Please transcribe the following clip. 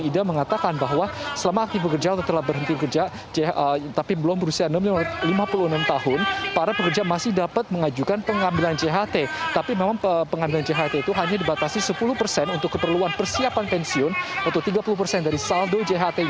yang tadi didampingi oleh sekjen